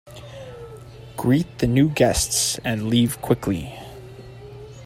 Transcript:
Greet the new guests and leave quickly.